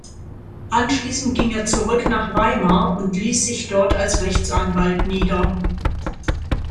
Anschließend ging er zurück nach Weimar und ließ sich dort als Rechtsanwalt nieder.